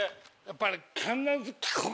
やっぱり。